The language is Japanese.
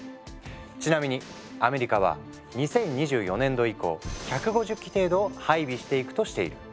ちなみにアメリカは２０２４年度以降１５０基程度を配備していくとしている。